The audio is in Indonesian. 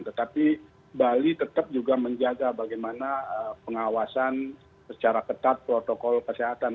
tetapi bali tetap juga menjaga bagaimana pengawasan secara ketat protokol kesehatan